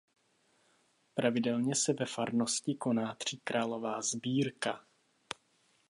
Pravidelně se ve farnosti koná tříkrálová sbírka.